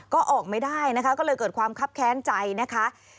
ก็ออกไม่ได้นะคะก็เลยเกิดความคับแค้นใจนะคะ